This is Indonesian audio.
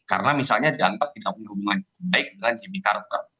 karena misalnya dianggap tidak punya hubungan yang baik dengan jimmy carter